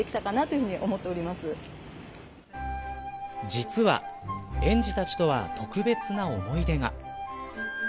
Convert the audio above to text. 実は園児たちとは特別な思い出が。